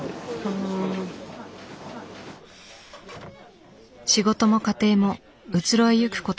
仕事も家庭も移ろいゆくことばかり。